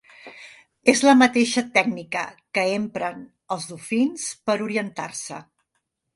És la mateixa tècnica que empren els dofins per orientar-se.